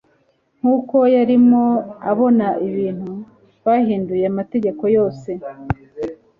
nkuko yarimo abona ibintu, bahinduye amategeko yose